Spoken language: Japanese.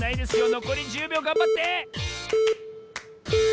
のこり１０びょうがんばって！